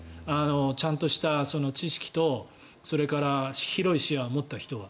ちゃんとした知識とそれから広い視野を持った人は。